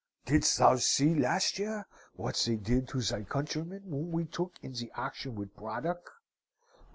Didst thou see, last year, what they did to thy countrymen whom we took in the action with Braddock?